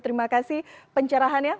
terima kasih pencerahannya